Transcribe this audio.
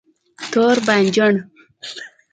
🍆 تور بانجان